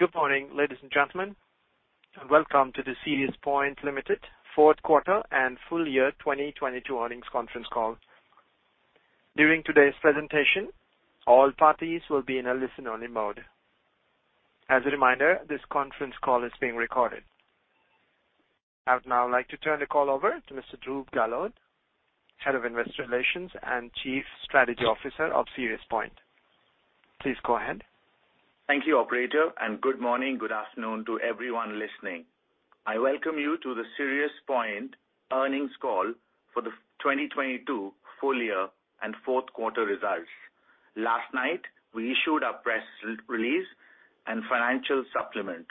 Good morning, ladies and gentlemen. Welcome to the SiriusPoint Ltd. 4th quarter and full year 2022 earnings conference call. During today's presentation, all parties will be in a listen-only mode. As a reminder, this conference call is being recorded. I would now like to turn the call over to Mr. Dhruv Gahlaut, Head of Investor Relations and Chief Strategy Officer of SiriusPoint. Please go ahead. Thank you operator. Good morning, good afternoon to everyone listening. I welcome you to the SiriusPoint earnings call for the 2022 full year and fourth quarter results. Last night, we issued our press release and financial supplement,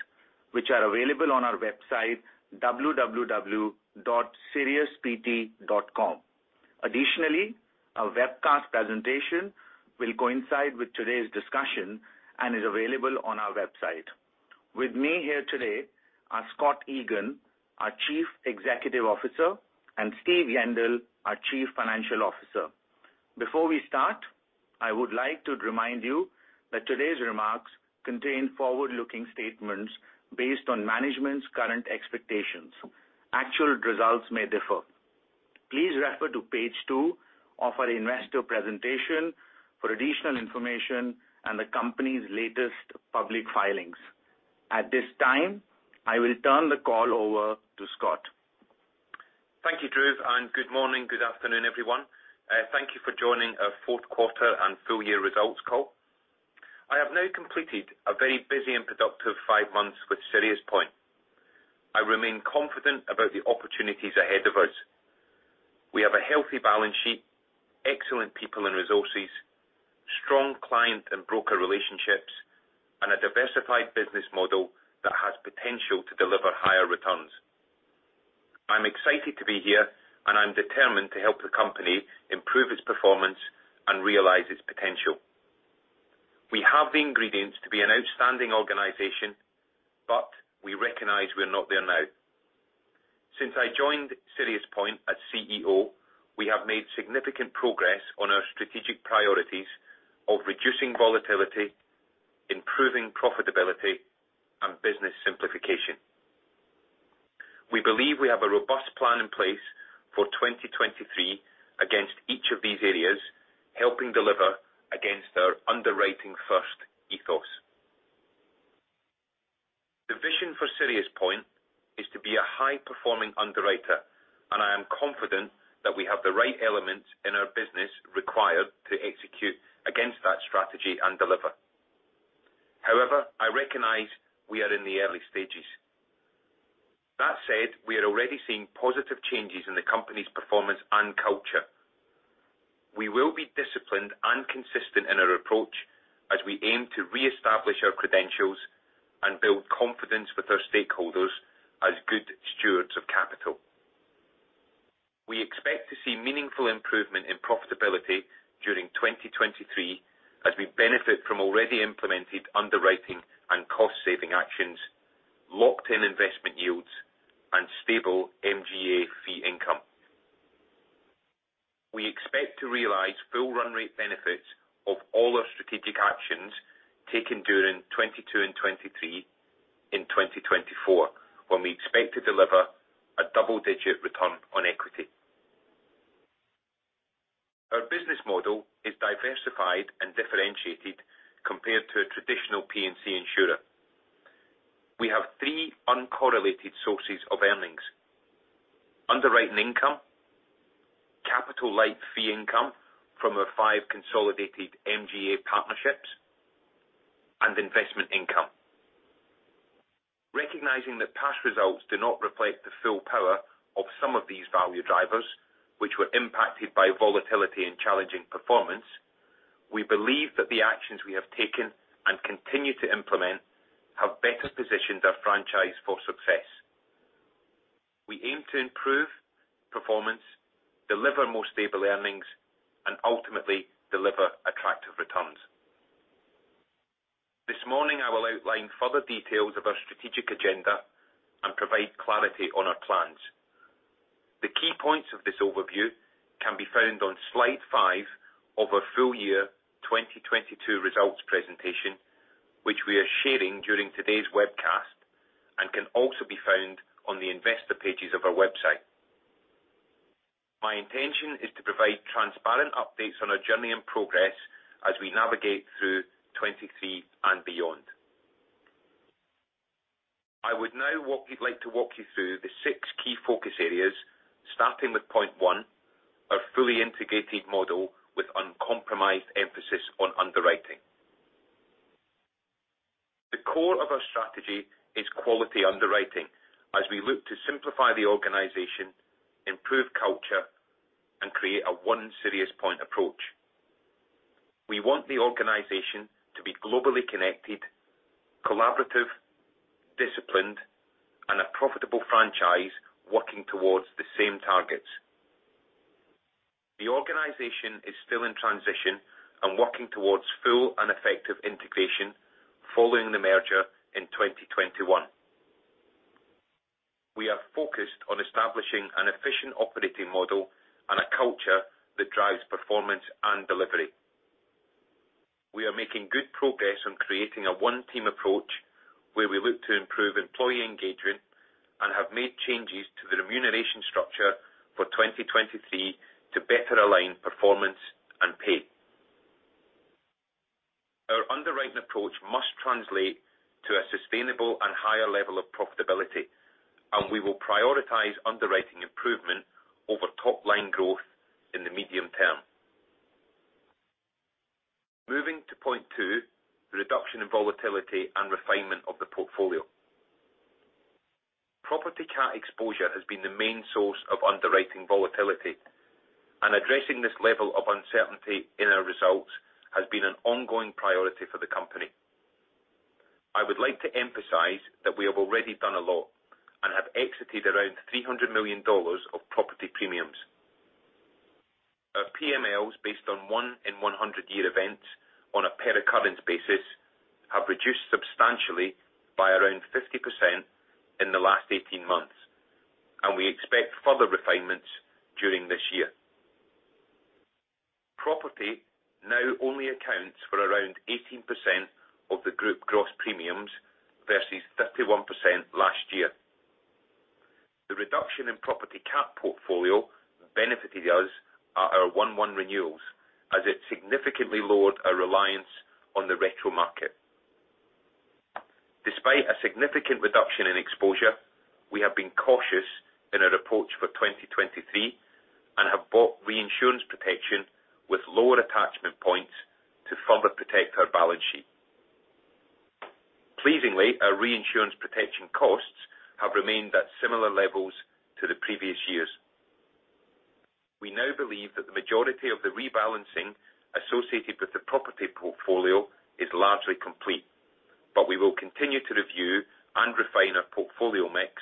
which are available on our website, www.siriuspt.com. Additionally, our webcast presentation will coincide with today's discussion and is available on our website. With me here today are Scott Egan, our Chief Executive Officer, and Steve Yendall, our Chief Financial Officer. Before we start, I would like to remind you that today's remarks contain forward-looking statements based on management's current expectations. Actual results may differ. Please refer to page two of our investor presentation for additional information and the company's latest public filings. At this time, I will turn the call over to Scott. Thank you, Dhruv. Good morning, good afternoon, everyone. Thank you for joining our fourth quarter and full year results call. I have now completed a very busy and productive five months with SiriusPoint. I remain confident about the opportunities ahead of us. We have a healthy balance sheet, excellent people and resources, strong client and broker relationships, and a diversified business model that has potential to deliver higher returns. I'm excited to be here, and I'm determined to help the company improve its performance and realize its potential. We have the ingredients to be an outstanding organization, but we recognize we are not there now. Since I joined SiriusPoint as CEO, we have made significant progress on our strategic priorities of reducing volatility, improving profitability, and business simplification. We believe we have a robust plan in place for 2023 against each of these areas, helping deliver against our underwriting first ethos. The vision for SiriusPoint is to be a high-performing underwriter. I am confident that we have the right elements in our business required to execute against that strategy and deliver. However, I recognize we are in the early stages. That said, we are already seeing positive changes in the company's performance and culture. We will be disciplined and consistent in our approach as we aim to reestablish our credentials and build confidence with our stakeholders as good stewards of capital. We expect to see meaningful improvement in profitability during 2023 as we benefit from already implemented underwriting and cost saving actions, locked in investment yields, and stable MGA fee income. We expect to realize full run rate benefits of all our strategic actions taken during 2022 and 2023 in 2024, when we expect to deliver a double-digit return on equity. Our business model is diversified and differentiated compared to a traditional P&C insurer. We have three uncorrelated sources of earnings. Underwriting income, capital light fee income from our five consolidated MGA partnerships, and investment income. Recognizing that past results do not reflect the full power of some of these value drivers, which were impacted by volatility and challenging performance, we believe that the actions we have taken and continue to implement have better positioned our franchise for success. We aim to improve performance, deliver more stable earnings, and ultimately deliver attractive returns. This morning, I will outline further details of our strategic agenda and provide clarity on our plans. The key points of this overview can be found on slide five of our full year 2022 results presentation, which we are sharing during today's webcast, and can also be found on the investor pages of our website.My intention is to provide transparent updates on our journey and progress as we navigate through 2023 and beyond. I would now like to walk you through the six key focus areas, starting with point one, our fully integrated model with uncompromised emphasis on underwriting. The core of our strategy is quality underwriting as we look to simplify the organization, improve culture, and create a one SiriusPoint approach. We want the organization to be globally connected, collaborative, disciplined, and a profitable franchise working towards the same targets. The organization is still in transition and working towards full and effective integration following the merger in 2021. We are focused on establishing an efficient operating model and a culture that drives performance and delivery. We are making good progress on creating a one-team approach, where we look to improve employee engagement and have made changes to the remuneration structure for 2023 to better align performance and pay. Our underwriting approach must translate to a sustainable and higher level of profitability. We will prioritize underwriting improvement over top line growth in the medium term. Moving to point two, reduction in volatility and refinement of the portfolio. Property cat exposure has been the main source of underwriting volatility. Addressing this level of uncertainty in our results has been an ongoing priority for the company. I would like to emphasize that we have already done a lot and have exited around $300 million of property premiums. Our PMLs, based on 1 in 100 year events on a per occurrence basis, have reduced substantially by around 50% in the last 18 months. We expect further refinements during this year. Property now only accounts for around 18% of the group gross premiums versus 31% last year. The reduction in property cat portfolio benefited us at our 1/1 renewals as it significantly lowered our reliance on the retro market. Despite a significant reduction in exposure, we have been cautious in our approach for 2023 and have bought reinsurance protection with lower attachment points to further protect our balance sheet. Pleasingly, our reinsurance protection costs have remained at similar levels to the previous years. We now believe that the majority of the rebalancing associated with the property portfolio is largely complete, but we will continue to review and refine our portfolio mix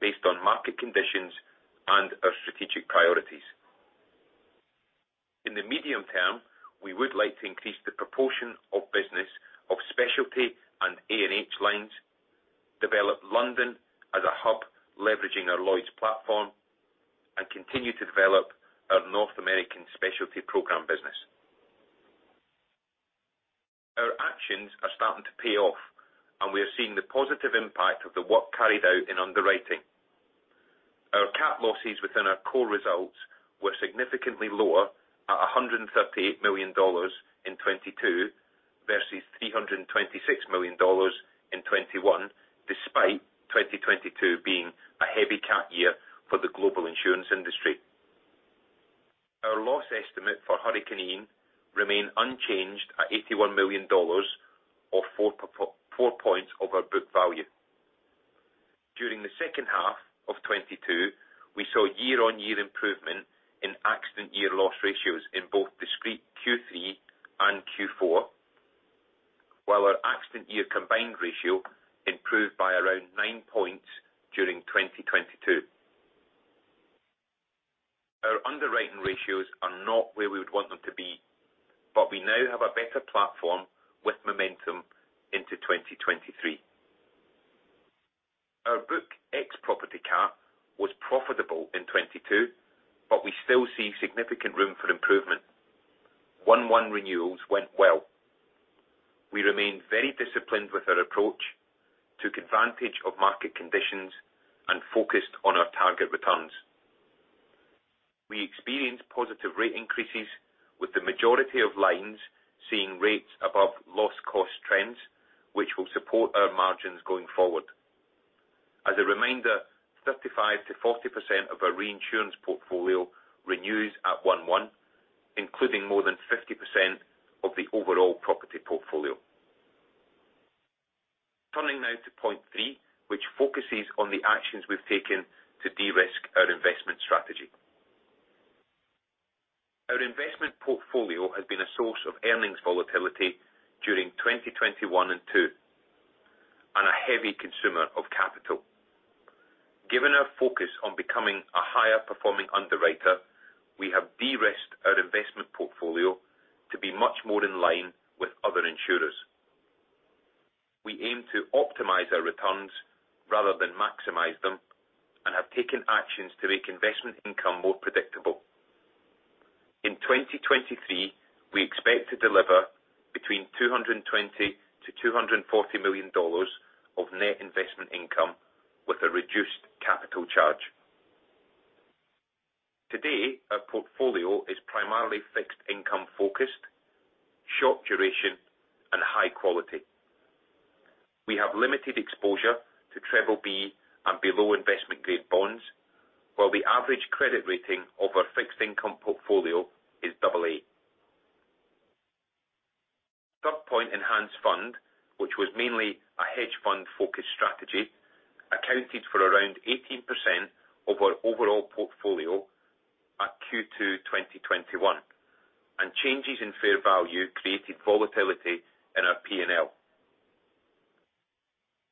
based on market conditions and our strategic priorities. In the medium term, we would like to increase the proportion of business of specialty and A&H lines, develop London as a hub, leveraging our Lloyd's platform, and continue to develop our North American specialty program business. Our actions are starting to pay off, and we are seeing the positive impact of the work carried out in underwriting. Our cat losses within our core results were significantly lower at $138 million in 2022 versus $326 million in 2021, despite 2022 being a heavy cat year for the global insurance industry. Our loss estimate for Hurricane Ian remain unchanged at $81 million or four points over book value. During the second half of 2022, we saw year-on-year improvement in accident year loss ratios in both discrete Q3 and Q4.Our accident year combined ratio improved by around nine points during 2022. Our underwriting ratios are not where we would want them to be, we now have a better platform with momentum into 2023. Our book ex-property cat was profitable in 2022, we still see significant room for improvement. 1/1 renewals went well. We remained very disciplined with our approach, took advantage of market conditions, and focused on our target returns. We experienced positive rate increases, with the majority of lines seeing rates above loss cost trends, which will support our margins going forward. As a reminder, 35%-40% of our reinsurance portfolio renews at 1/1, including more than 50% of the overall property portfolio. Turning now to point three, which focuses on the actions we've taken to de-risk our investment strategy. Our investment portfolio has been a source of earnings volatility during 2021 and 2022, and a heavy consumer of capital. Given our focus on becoming a higher performing underwriter, we have de-risked our investment portfolio to be much more in line with other insurers. We aim to optimize our returns rather than maximize them, and have taken actions to make investment income more predictable. In 2023, we expect to deliver between $220 million-$240 million of net investment income with a reduced capital charge. Today, our portfolio is primarily fixed income focused, short duration, and high quality. We have limited exposure to BBB and below investment grade bonds, while the average credit rating of our fixed income portfolio is AA. Third Point Enhanced Fund, which was mainly a hedge fund focused strategy, accounted for around 18% of our overall portfolio at Q2 2021.Changes in fair value created volatility in our P&L.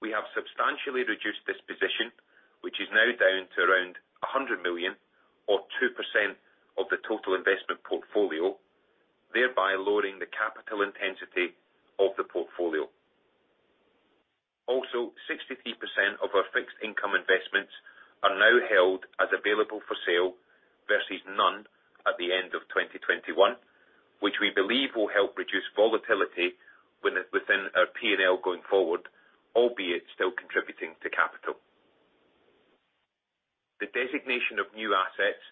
We have substantially reduced this position, which is now down-investment portfolio, thereby lowering the capital intensity of the portfolio. Also, 63% of our fixed income investments are now held as available for sale, versus none at the end of 2021, which we believe will help reduce volatility within our P&L going forward, albeit still contributing to capital. The designation of new assets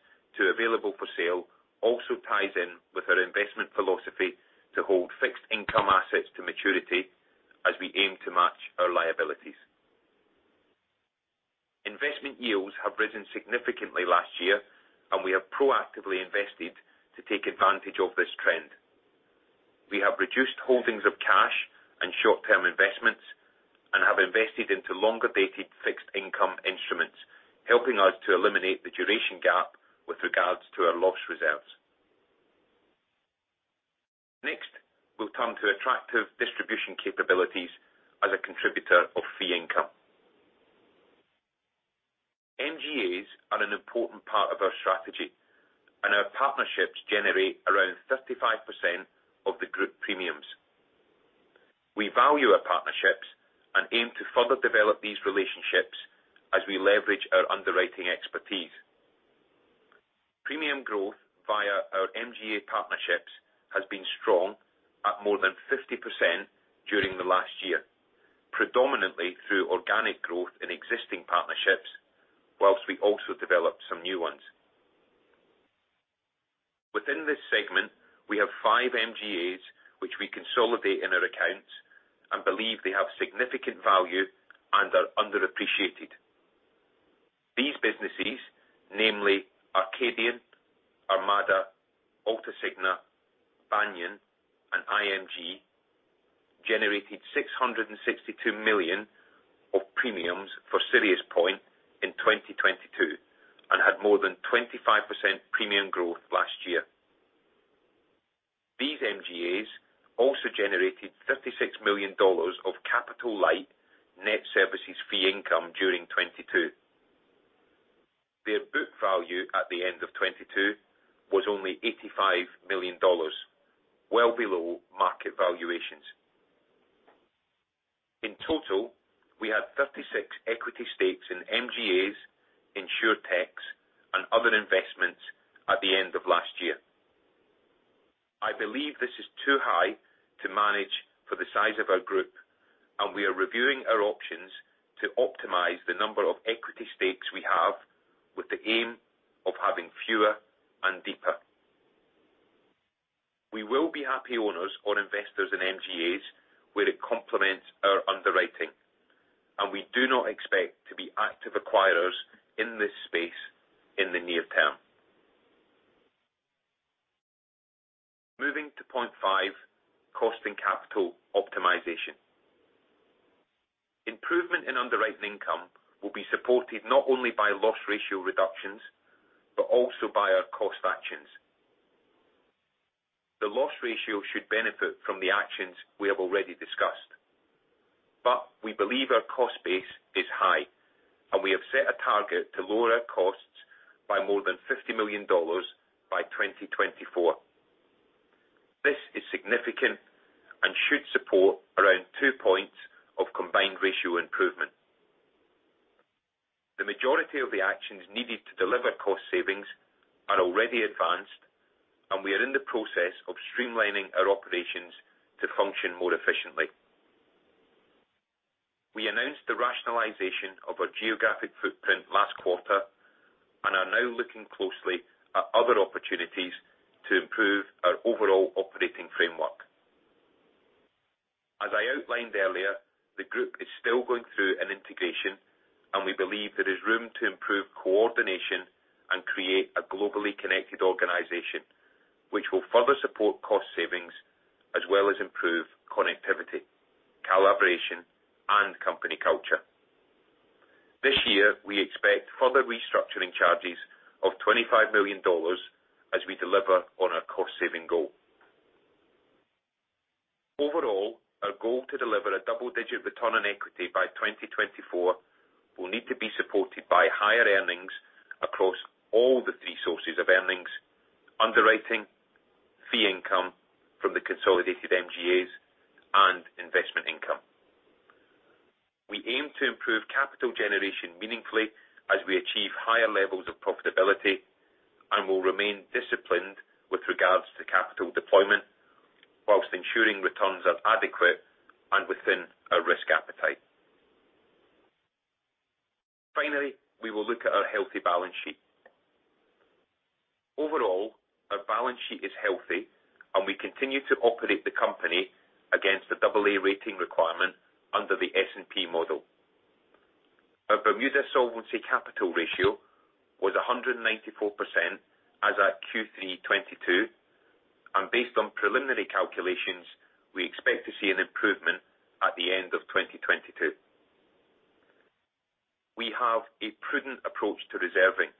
to available for sale also ties in with our investment philosophy to hold fixed income assets to maturity as we aim to match our liabilities. Investment yields have risen significantly last year, we have proactively invested to take advantage of this trend. We have reduced holdings of cash and short-term investments, have invested into longer-dated fixed income instruments, helping us to eliminate the duration gap with regards to our loss reserves. We'll turn to attractive distribution capabilities as a contributor of fee income. MGAs are an important part of our strategy, our partnerships generate around 35% of the group premiums. We value our partnerships, aim to further develop these relationships as we leverage our underwriting expertise. Premium growth via our MGA partnerships has been strong at more than 50% during the last year. Predominantly through organic growth in existing partnerships, whilst we also developed some new ones. Within this segment, we have five MGAs which we consolidate in our accounts and believe they have significant value and are underappreciated. These businesses, namely Arcadian, Armada, Alta Signa, Banyan, and IMG, generated $662 million of premiums for SiriusPoint in 2022 and had more than 25% premium growth last year. These MGAs also generated $56 million of capital light net services fee income during 2022. Their book value at the end of 2022 was only $85 million, well below market valuations. In total, we had 36 equity stakes in MGAs, InsurTechs, and other investments at the end of last year. I believe this is too high to manage for the size of our group. We are reviewing our options to optimize the number of equity stakes we have with the aim of having fewer and deeper. We will be happy owners or investors in MGAs where it complements our underwriting. We do not expect to be active acquirers in this space in the near term. Moving to point five, cost and capital optimization. Improvement in underwriting income will be supported not only by loss ratio reductions, but also by our cost actions. The loss ratio should benefit from the actions we have already discussed. We believe our cost base is high, and we have set a target to lower our costs by more than $50 million by 2024. This is significant and should support around two points of combined ratio improvement. The majority of the actions needed to deliver cost savings are already advanced, and we are in the process of streamlining our operations to function more efficiently. We announced the rationalization of our geographic footprint last quarter and are now looking closely at other opportunities to improve our overall operating framework. As I outlined earlier, the group is still going through an integration, and we believe there is room to improve coordination and create a globally connected organization which will further support cost savings as well as improve connectivity, collaboration, and company culture. This year we expect further restructuring charges of $25 million as we deliver on our cost-saving goal. Overall, our goal to deliver a double-digit return on equity by 2024 will need to be supported by higher earnings across all the three sources of earnings: underwriting, fee income from the consolidated MGAs, and investment income. We aim to improve capital generation meaningfully as we achieve higher levels of profitability and will remain disciplined with regards to capital deployment whilst ensuring returns are adequate and within our risk appetite. We will look at our healthy balance sheet. Our balance sheet is healthy, and we continue to operate the company against the AA rating requirement under the S&P model. Our Bermuda Solvency Capital ratio was 194% as at Q3 2022, and based on preliminary calculations, we expect to see an improvement at the end of 2022. We have a prudent approach to reserving,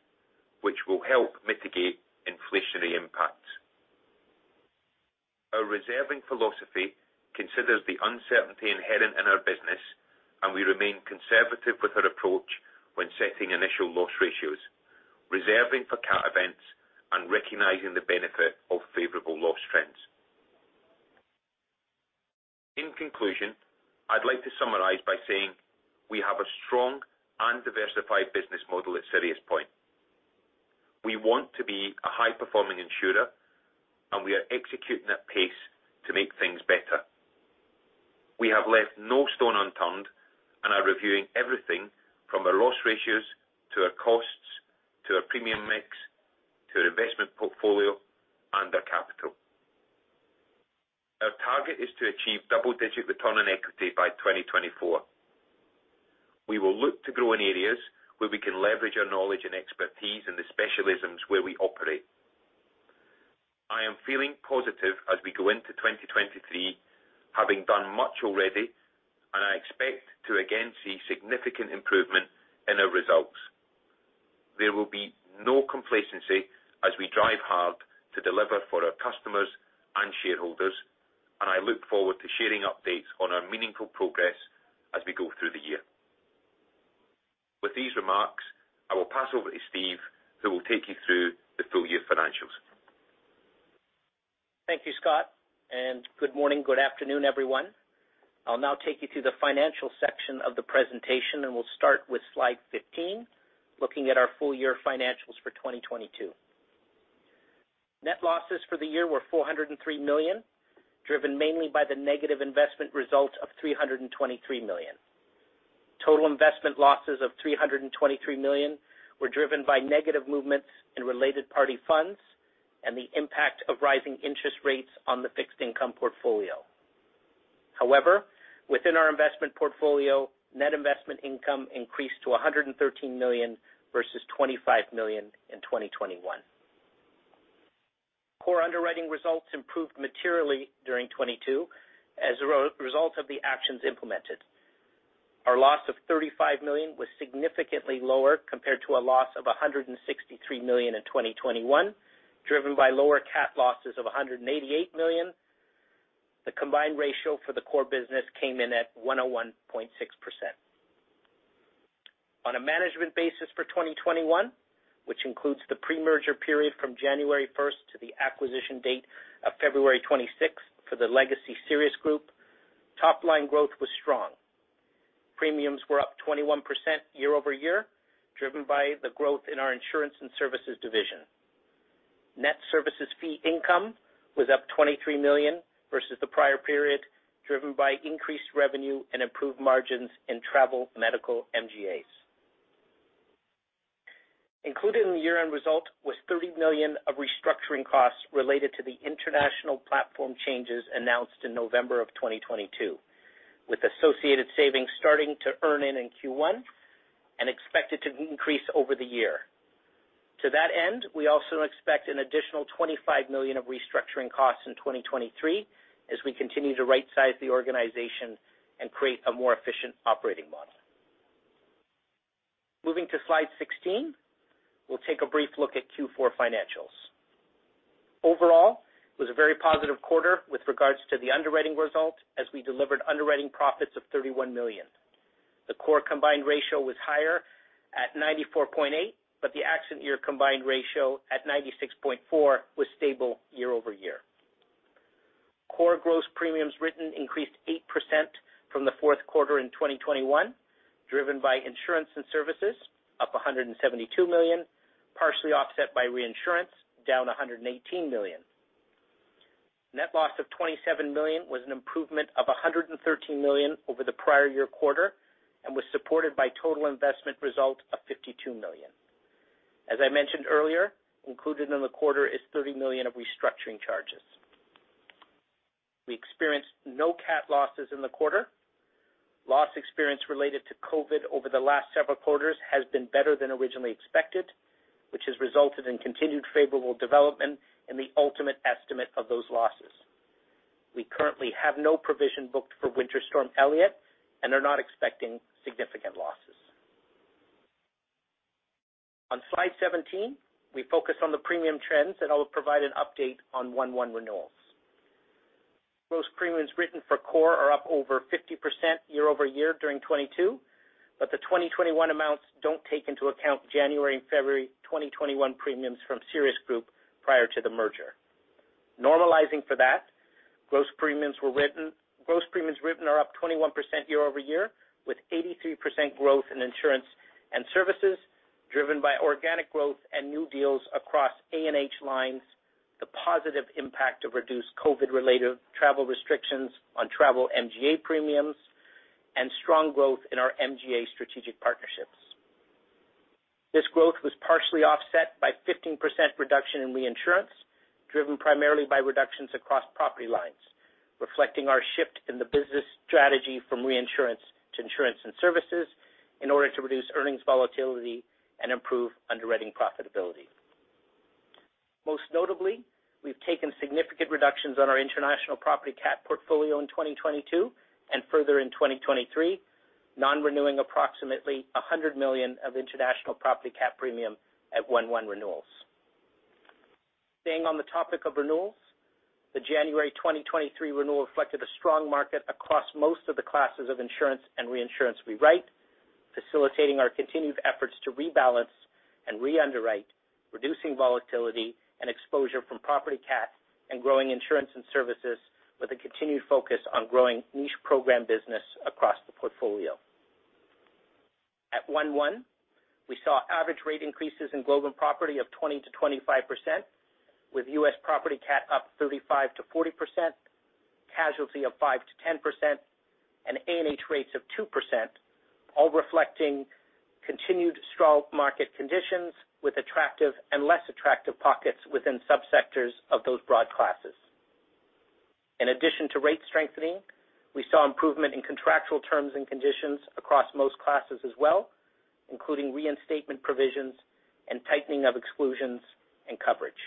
which will help mitigate inflationary impacts. Our reserving philosophy considers the uncertainty inherent in our business, and we remain conservative with our approach when setting initial loss ratios, reserving for cat events, and recognizing the benefit of favorable loss trends. In conclusion, I'd like to summarize by saying we have a strong and diversified business model at SiriusPoint. We want to be a high-performing insurer. We are executing at pace to make things better. We have left no stone unturned and are reviewing everything from our loss ratios to our costs, to our premium mix, to our investment portfolio and our capital. Our target is to achieve double-digit return on equity by 2024. We will look to grow in areas where we can leverage our knowledge and expertise in the specialisms where we operate. I am feeling positive as we go into 2023, having done much already. I expect to again see significant improvement in our results. There will be no complacency as we drive hard to deliver for our customers and shareholders, and I look forward to sharing updates on our meaningful progress as we go through the year. With these remarks, I will pass over to Steve, who will take you through the full year financials. Thank you, Scott. Good morning, good afternoon, everyone. I'll now take you through the financial section of the presentation, and we'll start with slide 15, looking at our full year financials for 2022.Net losses for the year were $403 million, driven mainly by the negative investment result of $323 million. Total investment losses of $323 million were driven by negative movements in related party funds and the impact of rising interest rates on the fixed income portfolio. However, within our investment portfolio, net investment income increased to $113 million versus $25 million in 2021. Core underwriting results improved materially during 2022 as a result of the actions implemented. Our loss of $35 million was significantly lower compared to a loss of $163 million in 2021, driven by lower cat losses of $188 million. The combined ratio for the core business came in at 101.6%. On a management basis for 2021, which includes the pre-merger period from January 1st to the acquisition date of February 26th for the legacy Sirius Group, top line growth was strong. Premiums were up 21% year-over-year, driven by the growth in our insurance and services division. Net services fee income was up $23 million versus the prior period, driven by increased revenue and improved margins in travel medical MGAs. Included in the year-end result was $30 million of restructuring costs related to the international platform changes announced in November of 2022, with associated savings starting to earn in Q1 and expected to increase over the year. To that end, we also expect an additional $25 million of restructuring costs in 2023 as we continue to right size the organization and create a more efficient operating model. Moving to slide 16, we'll take a brief look at Q4 financials. Overall, it was a very positive quarter with regards to the underwriting result as we delivered underwriting profits of $31 million. The core combined ratio was higher at 94.8%. The accident year combined ratio at 96.4% was stable year-over-year. Core gross premiums written increased 8% from the fourth quarter in 2021, driven by insurance and services up $172 million, partially offset by reinsurance down $118 million. Net loss of $27 million was an improvement of $113 million over the prior year quarter and was supported by total investment result of $52 million. As I mentioned earlier, included in the quarter is $30 million of restructuring charges. We experienced no cat losses in the quarter. Loss experience related to Covid over the last several quarters has been better than originally expected, which has resulted in continued favorable development in the ultimate estimate of those losses. We currently have no provision booked for Winter Storm Elliott and are not expecting significant losses. On slide 17, we focus on the premium trends, and I will provide an update on 1/1 renewals. Gross premiums written for core are up over 50% year-over-year during 2022, but the 2021 amounts don't take into account January and February 2021 premiums from Sirius Group prior to the merger. Normalizing for that, gross premiums written are up 21% year-over-year, with 83% growth in insurance and services driven by organic growth and new deals across A&H lines, the positive impact of reduced COVID-related travel restrictions on travel MGA premiums, and strong growth in our MGA strategic partnerships. This growth was partially offset by 15% reduction in reinsurance, driven primarily by reductions across property lines, reflecting our shift in the business strategy from reinsurance to insurance and services in order to reduce earnings volatility and improve underwriting profitability. Most notably, we've taken significant reductions on our international property cat portfolio in 2022 and further in 2023. Non-renewing approximately $100 million of international property cat premium at 1/1 renewals. Staying on the topic of renewals, the January 2023 renewal reflected a strong market across most of the classes of insurance and reinsurance we write, facilitating our continued efforts to rebalance and re-underwrite, reducing volatility and exposure from property cat and growing insurance and services with a continued focus on growing niche program business across the portfolio. At 1/1, we saw average rate increases in global property of 20%-25%, with US property cat up 35%-40%, casualty of 5%-10%, and A&H rates of 2%, all reflecting continued strong market conditions with attractive and less attractive pockets within subsectors of those broad classes. In addition to rate strengthening, we saw improvement in contractual terms and conditions across most classes as well, including reinstatement provisions and tightening of exclusions and coverage.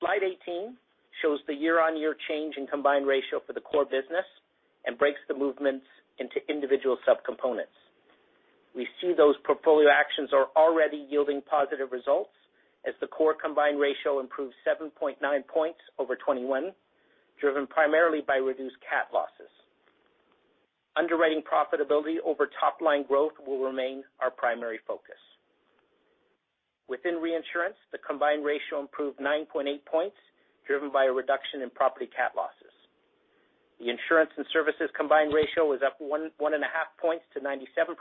Slide 18 shows the year-on-year change in combined ratio for the core business and breaks the movements into individual subcomponents. We see those portfolio actions are already yielding positive results as the core combined ratio improves 7.9 points over 2021, driven primarily by reduced cat losses. Underwriting profitability over top line growth will remain our primary focus. Within reinsurance, the combined ratio improved 9.8 points, driven by a reduction in property cat losses. The insurance and services combined ratio was up 1.5 points to 97%,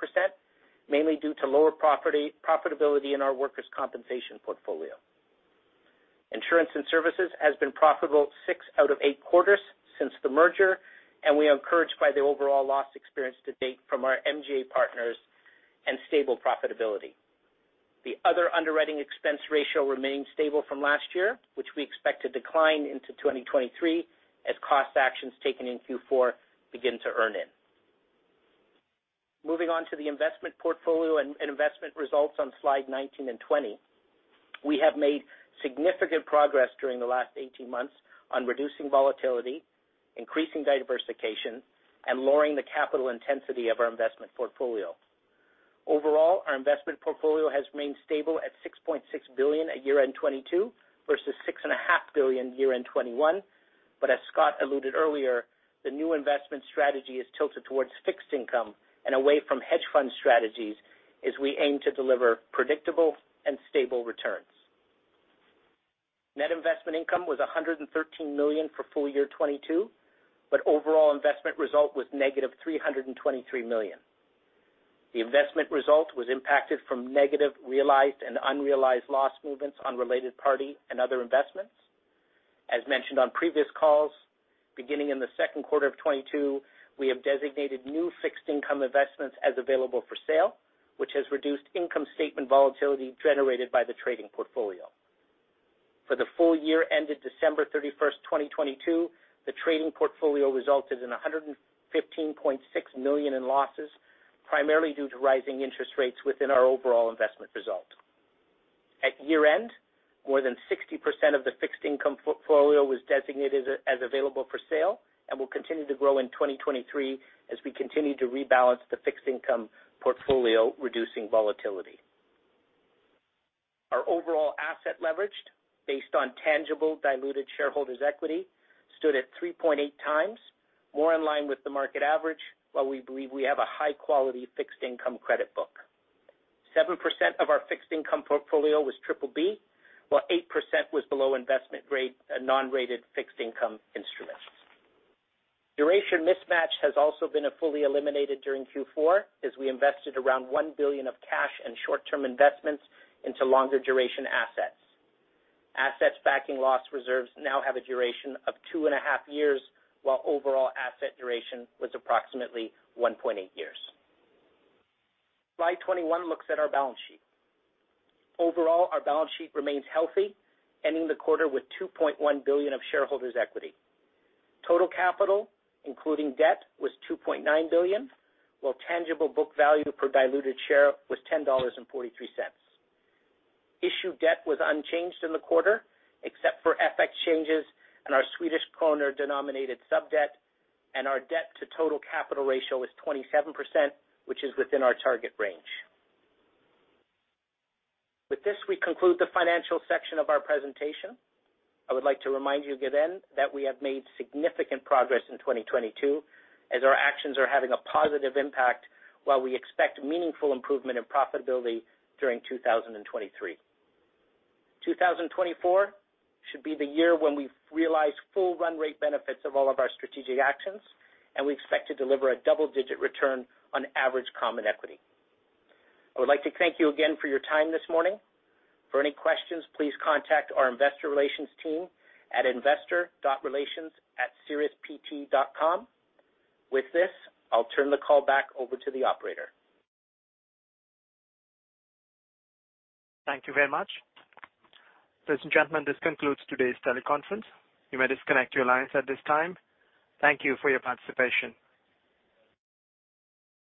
mainly due to lower property profitability in our workers' compensation portfolio. Insurance and services has been profitable six out of eight quarters since the merger, and we are encouraged by the overall loss experience to date from our MGA partners and stable profitability. The other underwriting expense ratio remained stable from last year, which we expect to decline into 2023 as cost actions taken in Q4 begin to earn in. Moving on to the investment portfolio and investment results on slide 19 and 20. We have made significant progress during the last 18 months on reducing volatility, increasing diversification, and lowering the capital intensity of our investment portfolio. Overall, our investment portfolio has remained stable at $6.6 billion at year-end 2022 versus $6.5 billion year-end 2021. As Scott alluded earlier, the new investment strategy is tilted towards fixed income and away from hedge fund strategies as we aim to deliver predictable and stable returns. Net investment income was $113 million for full year 2022, but overall investment result was -$323 million. The investment result was impacted from negative realized and unrealized loss movements on related party and other investments. As mentioned on previous calls, beginning in the second quarter of 2022, we have designated new fixed income investments as available for sale, which has reduced income statement volatility generated by the trading portfolio. For the full year ended December 31, 2022, the trading portfolio resulted in $115.6 million in losses, primarily due to rising interest rates within our overall investment result. At year-end, more than 60% of the fixed income portfolio was designated as available for sale and will continue to grow in 2023 as we continue to rebalance the fixed income portfolio, reducing volatility. Our overall asset leverage, based on tangible diluted shareholders' equity, stood at 3.8 times, more in line with the market average, while we believe we have a high-quality fixed income credit book. 7% of our fixed income portfolio was BBB, while 8% was below investment grade, non-rated fixed income instruments. Duration mismatch has also been fully eliminated during Q4 as we invested around $1 billion of cash and short-term investments into longer duration assets. Assets backing loss reserves now have a duration of two and a half years, while overall asset duration was approximately 1.8 years. Slide 21 looks at our balance sheet. Overall, our balance sheet remains healthy, ending the quarter with $2.1 billion of shareholders' equity. Total capital, including debt, was $2.9 billion, while tangible book value per diluted share was $10.43. Issued debt was unchanged in the quarter, except for FX changes and our Swedish kronor-denominated subdebt. Our debt to total capital ratio is 27%, which is within our target range. With this, we conclude the financial section of our presentation. I would like to remind you again that we have made significant progress in 2022, as our actions are having a positive impact, while we expect meaningful improvement in profitability during 2023. 2024 should be the year when we've realized full run rate benefits of all of our strategic actions, and we expect to deliver a double-digit return on average common equity. I would like to thank you again for your time this morning. For any questions, please contact our investor relations team at investor.relations@siriuspt.com. With this, I'll turn the call back over to the operator. Thank you very much. Ladies and gentlemen, this concludes today's teleconference. You may disconnect your lines at this time. Thank you for your participation.